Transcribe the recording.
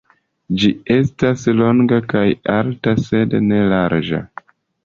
Ĝi estas longa kaj alta sed ne larĝa.